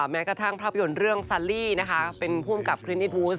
แม้กระทั่งภาพยนตร์เรื่องซาลี่นะคะเป็นผู้อำกับคลินิสบูส